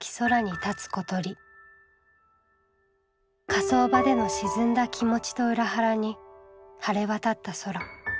火葬場での沈んだ気持ちと裏腹に晴れ渡った空。